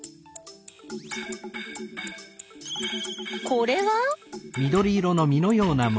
これは？